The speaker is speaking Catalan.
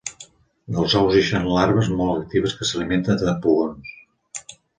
Dels ous ixen larves molt actives que s'alimenten de pugons.